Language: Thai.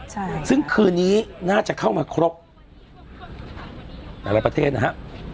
ใช่ซึ่งคืนนี้น่าจะเข้ามาครบแต่ละประเทศนะฮะ